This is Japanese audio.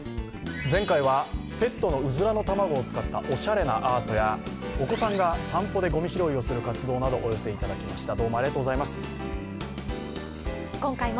前回はペットのうずらの卵を使ったおしゃれなアートやお子さんが散歩でごみ拾いをする活動などをお寄せいただきました。